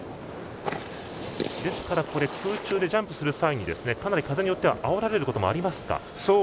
ですから空中でジャンプする際にかなり風によってはあおられることもありますか。